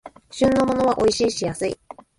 旬のものはおいしいし安い